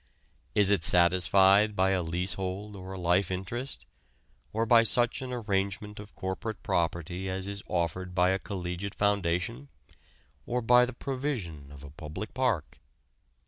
Is it satisfied by a leasehold or a life interest, or by such an arrangement of corporate property as is offered by a collegiate foundation, or by the provision of a public park?